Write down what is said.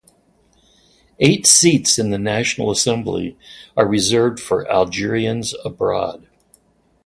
Eight seats in the national assembly are reserved for Algerians abroad.